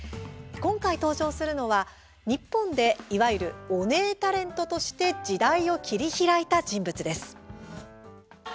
今回登場するのは、日本でいわゆるオネエタレントとして時代を切り開いた人物です。